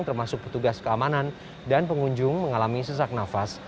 termasuk petugas keamanan dan pengunjung mengalami sesak nafas